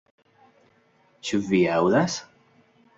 Ĉu vi aŭdas?